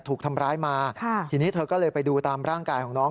ถูกทำร้ายมาทีนี้เธอก็เลยไปดูตามร่างกายของน้อง